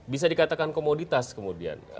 bisa dikatakan komoditas kemudian